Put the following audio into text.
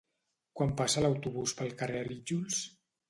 Quan passa l'autobús pel carrer Arítjols?